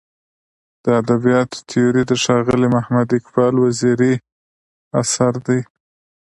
د ادبیاتو تیوري د ښاغلي محمد اقبال وزیري اثر دی.